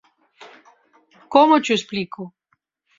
Como cho explico?